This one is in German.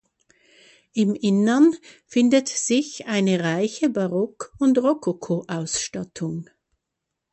Im Innern findet sich eine reiche Barock- und Rokokoausstattung.